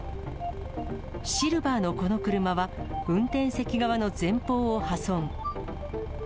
シルバーのこの車は、運転席側の前方を破損。